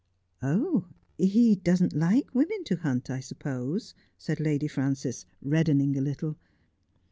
' Oh, he doesn't like women to hunt, I suppose ?' said Lady Frances, reddening a little.